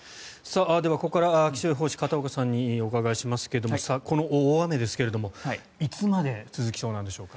ここからは気象予報士の片岡さんにお聞きしますがこの大雨ですけれどいつまで続きそうでしょうか？